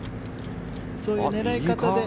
そういう狙い方で。